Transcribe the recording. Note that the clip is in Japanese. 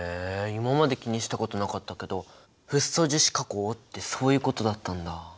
今まで気にしたことなかったけどフッ素樹脂加工ってそういうことだったんだ。